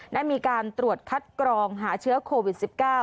ได้มีการตรวจคัดกรองหาเชื้อโควิด๑๙